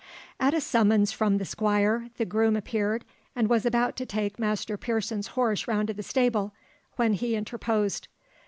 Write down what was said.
At a summons from the Squire the groom appeared, and was about to take Master Pearson's horse round to the stable, when he interposed.